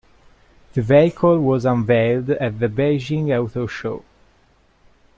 The vehicle was unveiled at the Beijing auto show.